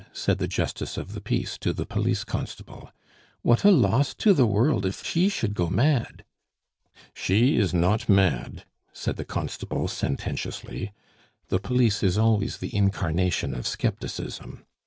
said the Justice of the Peace to the police constable. "What a loss to the world if she should go mad!" "She is not mad," said the constable sententiously. The police is always the incarnation of scepticism.